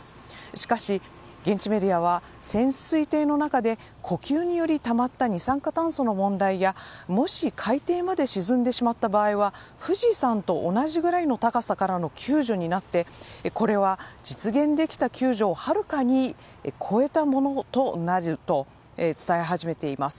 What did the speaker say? しかし、現地メディアは潜水艇の中で呼吸によりたまった二酸化炭素の問題やもし、海底まで沈んでしまった場合は富士山と同じくらいの高さからの救助になってこれは実現できた救助をはるかに超えたものとなると伝え始めています。